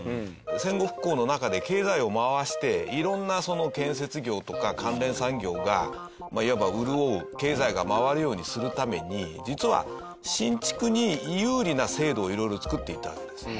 戦後復興の中で経済を回していろんなその建設業とか関連産業がいわば潤う経済が回るようにするために実は新築に有利な制度をいろいろ作っていたわけです。